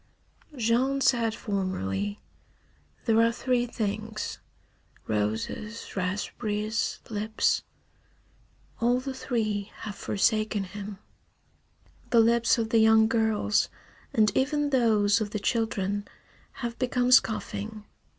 Jean said formerly: "There are three things: roses, raspberries, lips." All the three have forsaken him. The lips of the young girls, and even those of the children, have become scoffing.